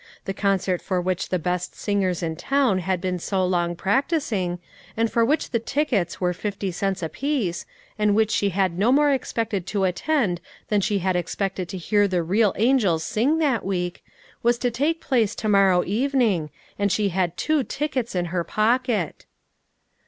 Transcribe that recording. The con cert for which the best singers in town had been so long practising, and for which the tickets were fifty cents apiece, arid which she had no more expected to attend than she had expected to hear the real angels sing that week, was to take place to morrow evening, and she had two tickets in her pocket